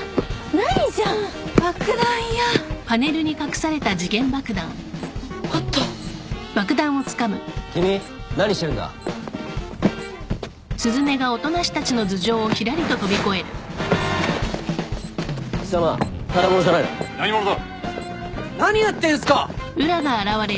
・何やってんすか！